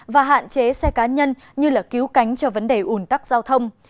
và hạn chế xe cá nhân như là cứu cánh cho vấn đề ủn tắc giao thông